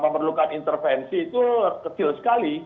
memerlukan intervensi itu kecil sekali